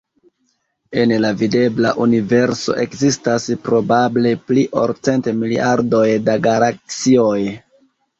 En la videbla universo ekzistas probable pli ol cent miliardoj da galaksioj.